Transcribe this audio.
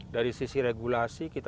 dari sisi regulasi kita